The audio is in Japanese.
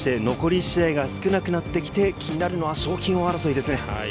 残り試合が少なくなってきて、気になるのは賞金王争いですね。